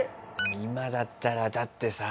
今だったらだってさ。